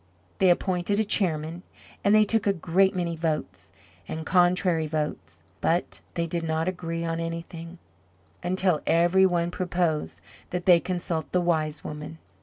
They appointed a chairman and they took a great many votes and contrary votes but they did not agree on anything, until every one proposed that they consult the Wise Woman.